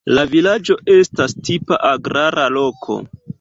La vilaĝo estas tipa agrara loko.